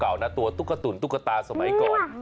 เก่าตัวตุ๊กตว์ตุ๋นตุ๊กตาสมัยก่อน